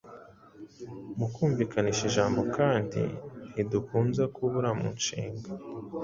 mu kumvikanisha ijambo kandi ntidukunze kubura mu nshinga.